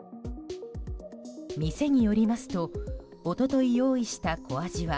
店によりますと一昨日、用意した小アジは